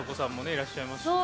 いらっしゃいますしね。